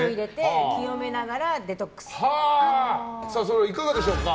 塩を入れていかがでしょうか？